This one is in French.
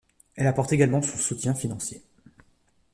Elle apporte également son soutien financier.